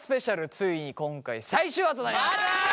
ついに今回最終話となります！